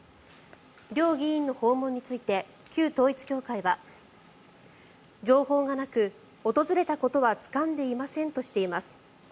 両議員の訪問について旧統一教会は情報がなく訪れたことはつかんでいませんとしています。